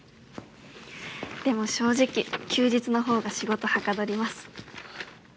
でも正直休日の方が仕事はかどります。